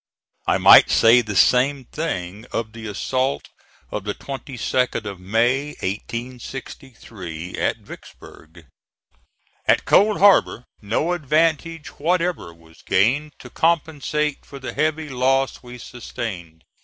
I might say the same thing of the assault of the 22d of May, 1863, at Vicksburg. At Cold Harbor no advantage whatever was gained to compensate for the heavy loss we sustained.